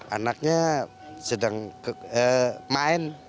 anaknya sedang main